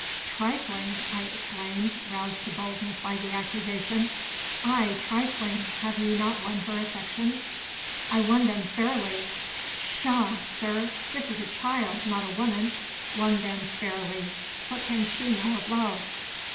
"Trifling!" I exclaimed, roused to boldness by the accusation. "Ay, trifling! Have you not won her affections?" "I won them fairly." "Pshaw, sir! This is a child, not a woman. Won them fairly! What can she know of love?"